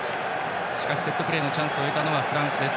しかしセットプレーのチャンスを得たのはフランス。